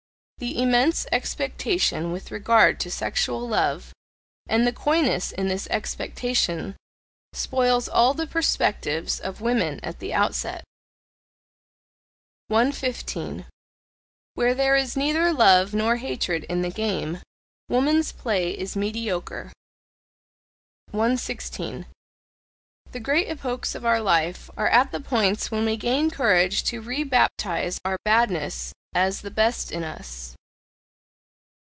The immense expectation with regard to sexual love, and the coyness in this expectation, spoils all the perspectives of women at the outset. 115. Where there is neither love nor hatred in the game, woman's play is mediocre. 116. The great epochs of our life are at the points when we gain courage to rebaptize our badness as the best in us.